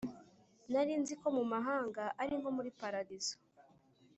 Narinziko mumahanga ari nko muri paradizo